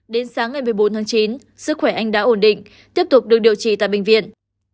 đến sáng ngày một mươi bốn tháng chín sức khỏe anh đã ổn định tiếp tục được điều trị tại bệnh viện